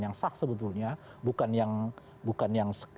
yang sah sebetulnya bukan yang